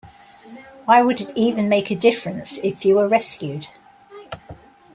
Why would it even make a difference if you are rescued?